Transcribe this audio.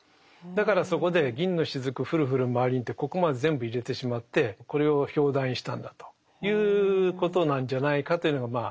だからそこで「銀の滴降る降るまわりに」ってここまで全部入れてしまってこれを表題にしたんだということなんじゃないかというのがまあ